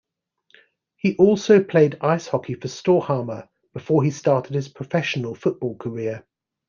He also played ice hockey for Storhamar before he started his professional football career.